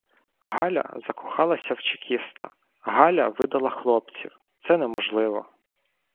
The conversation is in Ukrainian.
Галя закохалася в чекіста?! Галя видала хлопців?! Це неможливо.